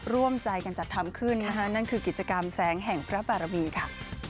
ร่วมใจกันจัดทำขึ้นนะคะนั่นคือกิจกรรมแสงแห่งพระบารมีค่ะ